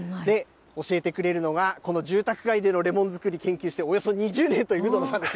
教えてくれるのが、この住宅街でのレモン作り、研究しておよそ２０年という鵜殿さんです。